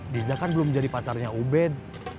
diza kan belum jadi pacarnya ubed